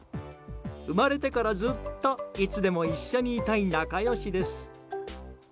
生まれてから、ずっといつでも一緒にいたい仲良しです。